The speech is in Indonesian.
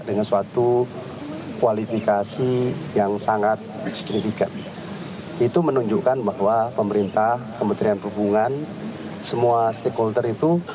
dengan suatu kualifikasi yang sangat signifikan itu menunjukkan bahwa pemerintah kementerian perhubungan semua stakeholder itu